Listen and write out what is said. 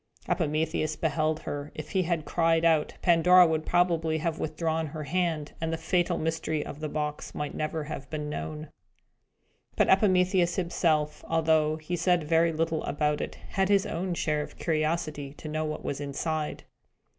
Epimetheus beheld her. If he had cried out, Pandora would probably have withdrawn her hand, and the fatal mystery of the box might never have been known. But Epimetheus himself, although he said very little about it, had his own share of curiosity to know what was inside.